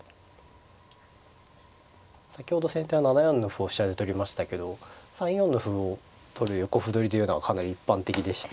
先ほど先手は７四の歩を飛車で取りましたけど３四の歩を取る横歩取りというのはかなり一般的でして。